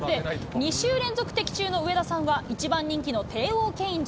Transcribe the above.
２週連続的中の上田さんは、一番人気のテーオーケインズ。